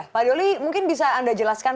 pak doli mungkin bisa anda jelaskan